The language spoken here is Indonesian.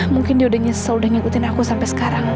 mungkin dia udah nyesel udah ngikutin aku sampai sekarang